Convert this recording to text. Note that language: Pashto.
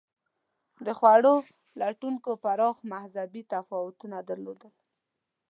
د خوړو لټونکو پراخ مذهبي تفاوتونه درلودل.